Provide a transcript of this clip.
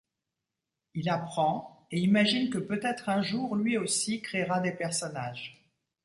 Il apprend et imagine que peut-être un jour lui aussi créera des personnages.